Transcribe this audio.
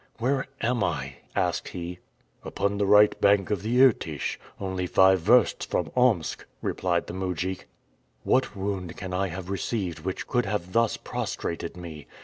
"Where am I?" asked he. "Upon the right bank of the Irtych, only five versts from Omsk," replied the mujik. "What wound can I have received which could have thus prostrated me?